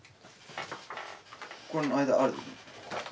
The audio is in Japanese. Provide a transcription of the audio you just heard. これの間ある？